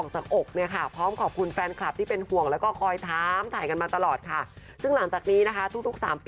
จะไปแสดงคอนเซิร์ตที่ประเทศอังกฤษค่ะ